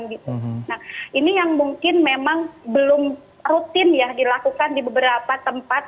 nah ini yang mungkin memang belum rutin ya dilakukan di beberapa tempat